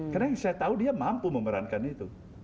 karena yang saya tahu dia mampu memerankan itu